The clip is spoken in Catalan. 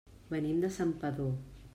Venim de Santpedor.